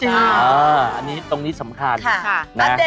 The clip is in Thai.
จริงอ๋ออันนี้ตรงนี้สำคัญนะครับเป็นหนึ่งคนค่ะ